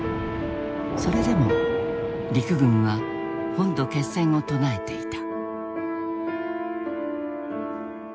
それでも陸軍は本土決戦を唱えていた。